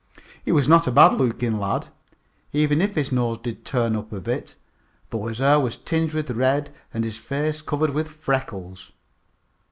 He was not a bad looking lad, even if his nose did turn up a bit, though his hair was tinged with red, and his face covered with freckles.